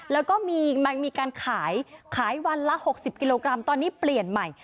แล้วก็มีการขายขายวันละ๖๐กิโลกรัมตอนนี้เปลี่ยนใหม่